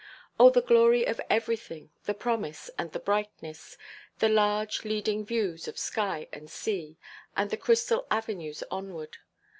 Oh the glory of everything, the promise, and the brightness; the large leading views of sky and sea, and the crystal avenues onward.